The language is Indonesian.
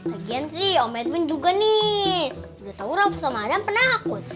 lagian sih om edwin juga nih udah tahu raffa sama adam pernah takut